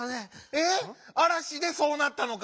えっ⁉あらしでそうなったのか？